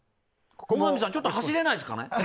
最上さん、ちょっと走れないですかね？